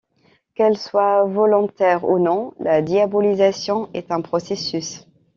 Qu’elle soit volontaire ou non, la diabolisation est un processus.